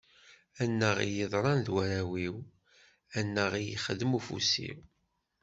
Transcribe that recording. Annaɣ i yeḍran d warraw-iw, annaɣ i yexdem ufus-iw.